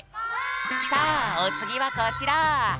さあおつぎはこちら。